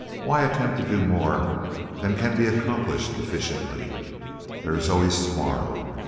Why attempt to do more than can be accomplished efficiently? There is always tomorrow.